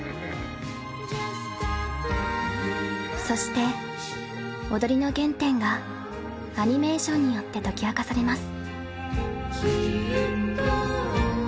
そして踊りの原点がアニメーションによって解き明かされます。